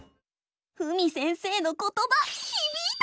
ふみ先生のことばひびいた！